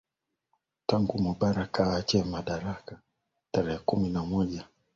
tangu mubarak aachie madaraka tarehe kumi na moja mwezi huu